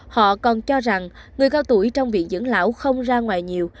họ còn cho rằng người cao tuổi trong viện dẫn lão không ra ngoài nhiều